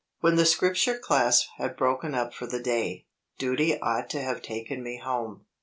When the Scripture Class had broken up for the day, duty ought to have taken me home.